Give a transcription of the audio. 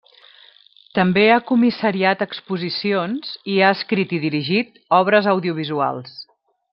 També ha comissariat exposicions i ha escrit i dirigit obres audiovisuals.